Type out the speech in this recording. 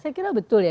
saya kira betul ya